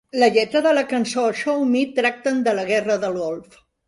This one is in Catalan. La lletra de la cançó "Show Me" tracten de la Guerra del Golf.